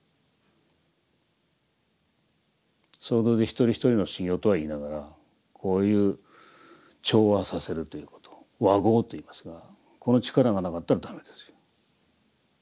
僧堂で一人一人の修行とは言いながらこういう調和させるということ和合と言いますがこの力がなかったらダメですよ。